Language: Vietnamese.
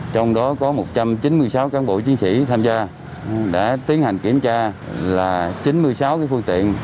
trong đó có một trăm chín mươi sáu cán bộ chiến sĩ tham gia đã tiến hành kiểm tra là chín mươi sáu phương tiện